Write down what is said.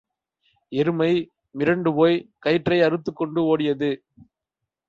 எருமை மிரண்டுபோய்க் கயிற்றை அறுத்துக் கோண்டு ஓடியது.